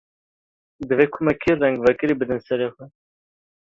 Divê kumekî rengvekirî bidin serê xwe.